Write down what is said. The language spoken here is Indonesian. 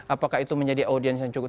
apakah itu menjadi audiens yang cukup